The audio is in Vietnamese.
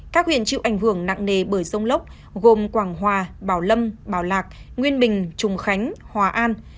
các huyện chịu ảnh hưởng nặng nề bởi rông lốc gồm quảng hòa bảo lâm bảo lạc nguyên bình trùng khánh hòa an